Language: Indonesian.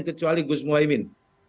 kecuali gus muhyiddin